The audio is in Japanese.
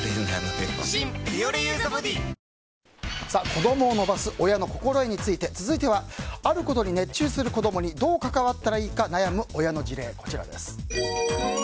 子供を伸ばす親の心得について続いてはあることに熱中する子供にどう関わったらいいか悩む親の事例です。